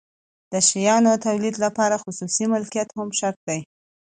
د شیانو د تولید لپاره خصوصي مالکیت هم شرط دی.